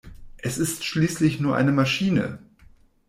Es ist schließlich nur eine Maschine!